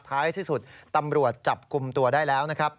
ท้ายที่สุดตำรวจจับกลุ่มตัวได้แล้วนะครับ